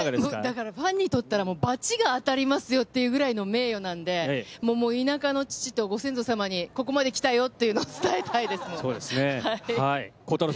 だから、ファンにとったら、ばちが当たりますよというぐらいの名誉なんで、もうもう田舎の父とご先祖様にここまできたよというのを伝えたいそうですね。